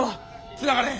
つながれへん。